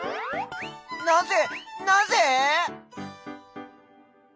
なぜなぜ！？